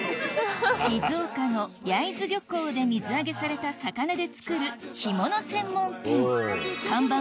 静岡の焼津漁港で水揚げされた魚で作る干物専門店看板